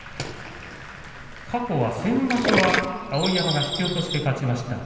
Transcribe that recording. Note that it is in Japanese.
過去は先場所は碧山が引き落としで勝ちました。